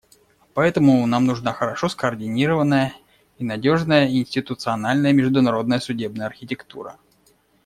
Поэтому нам нужна хорошо скоординированная и надежная институциональная и международная судебная архитектура.